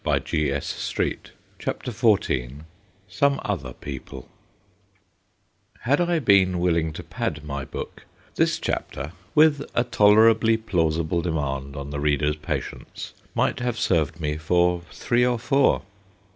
SOME OTHER PEOPLE 221 CHAPTER XIV SOME OTHER PEOPLE HAD I been willing to pad my book, this chapter, with a tolerably plausible demand on the reader's patience, might have served me for three or four.